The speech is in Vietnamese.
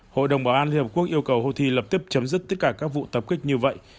hội đồng bảo an liên hợp quốc yêu cầu houthi lập tức chấm dứt tất cả các vụ tập kích như vậy